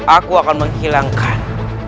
aku akan menghilangkan